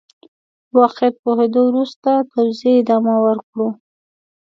واقعيت پوهېدو وروسته توزيع ادامه ورکړو.